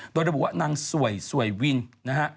โดยระบุว่านางสวยสวยวินนะฮะ